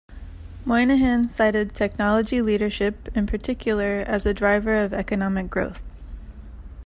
Moynihan cited technology leadership, in particular, as a driver of economic growth.